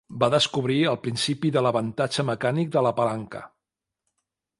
Va descobrir el principi de l'avantatge mecànic de la palanca.